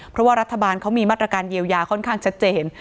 เพราะว่ารัฐบาลเขามีมาตรการเยียวยาค่อนข้างชัดเจน